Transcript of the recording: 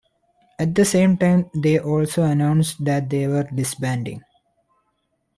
At the same time, they also announced that they were disbanding.